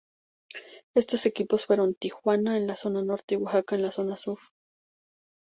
Estos equipos fueron "Tijuana" en la zona norte y "Oaxaca" en la zona sur.